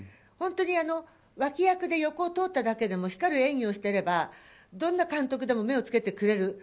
本当、脇役で横を通っただけでも光る演技をしてればどんな監督でも目をつけてくれる。